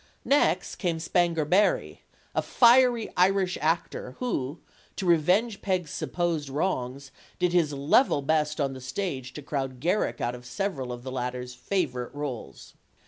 Next came Spanger Berry, a fiery Irish actor who, to revenge Peg's supposed wrongs, did his level best on the stage to crowd Garrick out of several of the latter's favorite roles.